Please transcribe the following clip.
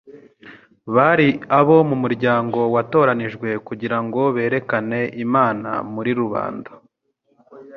Bari abo mu muryango watoranijwe kugira ngo berekane Imana muri rubanda.